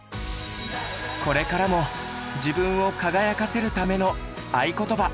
これからも自分を輝かせるための愛ことば。